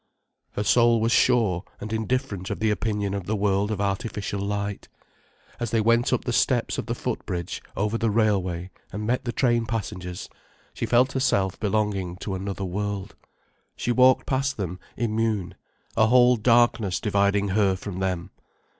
Her soul was sure and indifferent of the opinion of the world of artificial light. As they went up the steps of the foot bridge over the railway, and met the train passengers, she felt herself belonging to another world, she walked past them immune, a whole darkness dividing her from them.